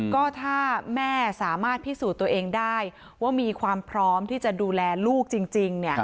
ก็ถ้าแม่สามารถพิสูจน์ตัวเองได้ว่ามีความพร้อมที่จะดูแลลูกจริง